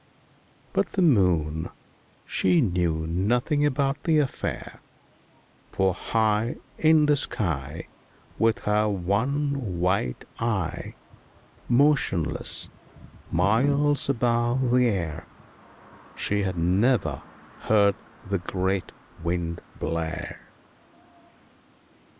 But the Moon, she knew nothing about the affair, For high In the sky, With her one white eye, Motionless, miles above the air, She had never heard the great Wind blare.